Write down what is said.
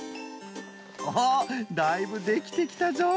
おだいぶできてきたぞ！